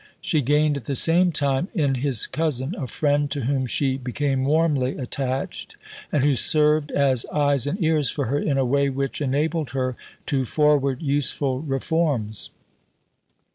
She gained at the same time in his cousin a friend to whom she became warmly attached, and who served as eyes and ears for her in a way which enabled her to forward useful reforms.